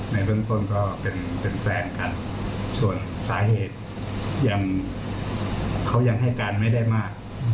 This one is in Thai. ในเบื้องต้นก็เป็นแฟนกันส่วนสาเหตุยังเขายังให้การไม่ได้มาก